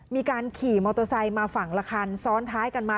มีการขี่มอเตอร์ไซค์มาฝั่งละคันซ้อนท้ายกันมา